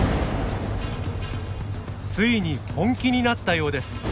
ついに本気になったようです。